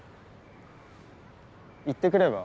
行ってくれば？